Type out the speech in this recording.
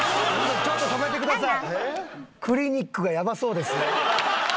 ちょっと止めてください。